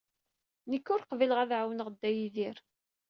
Nekk ur qbileɣ ad ɛawneɣ Dda Yidir.